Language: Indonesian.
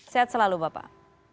sehat selalu bapak